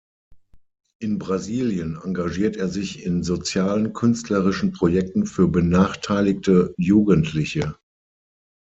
In Brasilien engagiert er sich in sozialen künstlerischen Projekten für benachteiligte Jugendliche.